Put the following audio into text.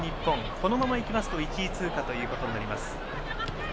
このままいきますと１位通過となります。